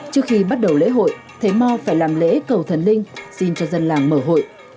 trước khi bắt đầu lễ hội thầy mò phải làm lễ cầu thần linh xin cho dân làng mở hội